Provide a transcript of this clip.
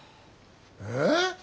えっ？